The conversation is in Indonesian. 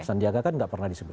sandiaga kan nggak pernah disebut